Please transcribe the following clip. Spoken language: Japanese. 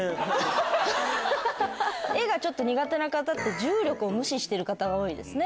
絵が苦手な方って重力を無視してる方が多いですね。